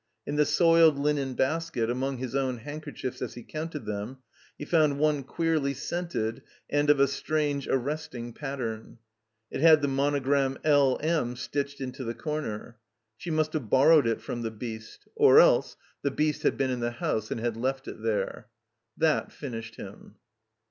In the soiled linen basket, among his own handker chiefs as he cotuited them, he fotuid one queerly scented and of a strange, arresting pattern. It had the monogram '*L. M." stitched into the comer. She must have borrowed it from the beast. Or 282 THE COMBINED MAZE else — ^the beast had been in the house and had left it there. That finished him.